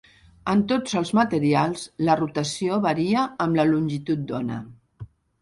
En tots els materials, la rotació varia amb la longitud d'ona.